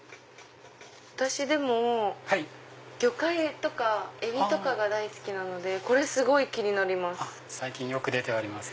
私魚介とかエビが大好きなのでこれすごい気になります。